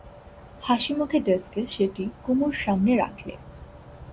হাসিমুখে ডেস্কে সেটি কুমুর সামনে রাখলে।